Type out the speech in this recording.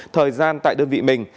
thời gian tại đơn vị mình